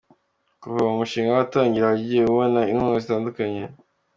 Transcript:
Kuva uwo mushinga watangira wagiye ubona inkunga zitandukanye.